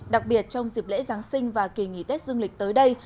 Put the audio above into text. đặc biệt trong dịp lễ giáng sinh và kỳ nghỉ tết dương lịch tới đây